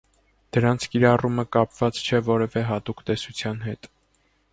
Դրանց կիրառումը կապված չէ որևէ հատուկ տեսության հետ։